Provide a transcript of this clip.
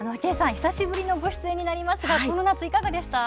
久しぶりのご出演になりますがこの夏いかがお過ごしでしたか？